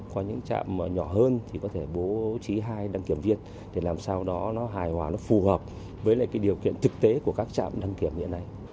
có những trạm nhỏ hơn thì có thể bố trí hai đăng kiểm viên để làm sao đó nó hài hòa nó phù hợp với lại cái điều kiện thực tế của các trạm đăng kiểm hiện nay